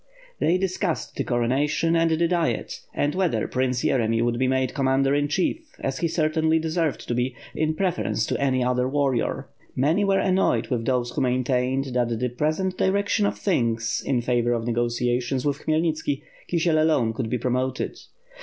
They discussed the coronation, and the Diet, and whether Prince Yeremy would be made commander in chief, as he certainly deserved to be, in preference to any other warrior. Many were annoyed with those who maintained that the present direction of things in favor of negotiations with 6i6 WITH FIRE Aim SWORD, ^IJ Khmelnitski, Kisiel alone could be promoted.